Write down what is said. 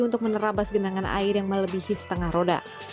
untuk menerabas genangan air yang melebihi setengah roda